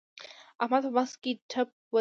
احمد په بحث کې ټپ ودرېد.